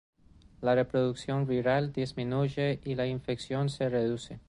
La reproducción viral disminuye y la infección se reduce.